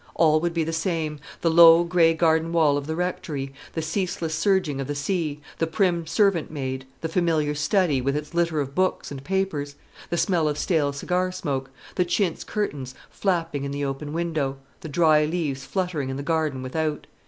All would be the same: the low grey garden wall of the Rectory; the ceaseless surging of the sea; the prim servant maid; the familiar study, with its litter of books and papers; the smell of stale cigar smoke; the chintz curtains flapping in the open window; the dry leaves fluttering in the garden without.